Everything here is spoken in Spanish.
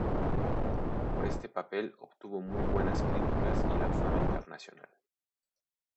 Por este papel obtuvo muy buenas críticas y la fama internacional.